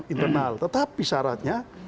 internal tetapi syaratnya